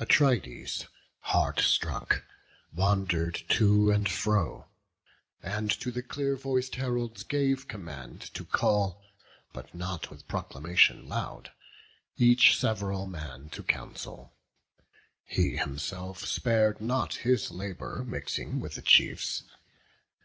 Atrides, heart struck, wander'd to and fro, And to the clear voic'd heralds gave command To call, but not with proclamation loud, Each sev'ral man to council; he himself Spar'd not his labour, mixing with the chiefs.